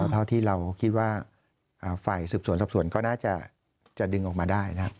เท่าที่เราคิดว่าฝ่ายสืบสวนสอบสวนก็น่าจะดึงออกมาได้นะ